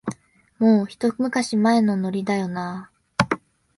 もう、ひと昔前のノリだよなあ